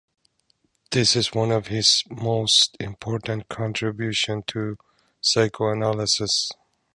This is one of his most important contributions to psychoanalysis.